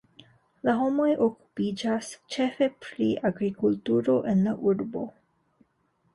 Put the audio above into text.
La homoj okupiĝas ĉefe pri agrikulturo en la urbo.